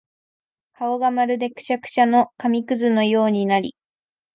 顔がまるでくしゃくしゃの紙屑のようになり、